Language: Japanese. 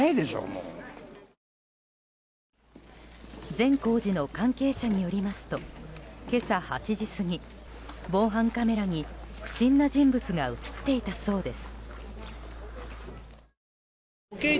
善光寺の関係者によりますと今朝８時過ぎ防犯カメラに不審な人物が映っていたそうです。